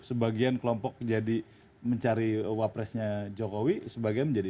sebagian kelompok menjadi mencari wapresnya jokowi sebagian menjadi